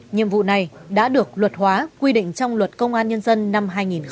nhiệm vụ này đã được luật hóa quy định trong luật công an nhân dân năm hai nghìn một mươi ba